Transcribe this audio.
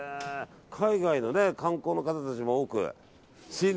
海外の観光の方たちが多くて。